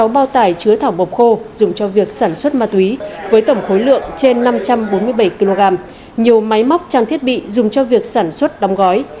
sáu bao tải chứa thảo bộc khô dùng cho việc sản xuất ma túy với tổng khối lượng trên năm trăm bốn mươi bảy kg nhiều máy móc trang thiết bị dùng cho việc sản xuất đóng gói